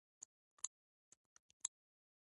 د قانون مطابق شرکت کولی شي، چې شتمنۍ ولري.